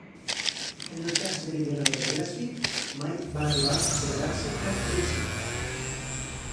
En el terç meridional de Slesvig mai va arribar a celebrar-se cap plebiscit.